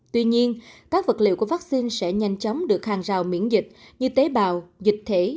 tuy nhiên các vật liệu của vaccine sẽ nhanh chóng được hàng rào miễn dịch như tế bào dịch thể